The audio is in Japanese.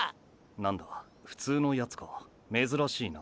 何だフツウのヤツか珍しいな。